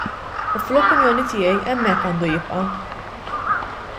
U fl-opinjoni tiegħi hemmhekk għandu jibqa'.